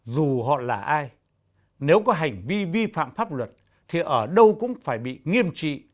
dù họ là ai nếu có hành vi vi phạm pháp luật thì ở đâu cũng phải bị nghiêm trị